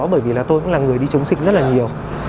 bởi vì là tôi cũng là người đi chống dịch rất là nhiều